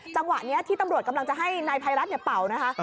จังหวะนี้ที่ตำรวจกำลังจะให้นายภัยรัฐเป่านะคะ